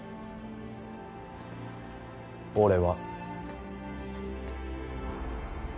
俺は。